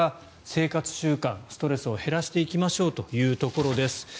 生活習慣ストレスを減らしていきましょうというところです。